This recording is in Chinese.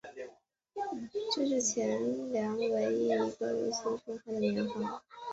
这是前凉唯一一个没有袭用晋朝年号的年号。